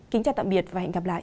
kính chào tạm biệt và hẹn gặp lại